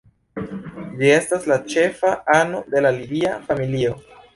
Ĝi estas la ĉefa ano de la Lidia familio.